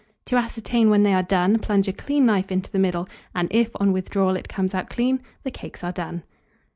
To ascertain when they are done, plunge a clean knife into the middle, and if on withdrawal it comes out clean, the cakes are done.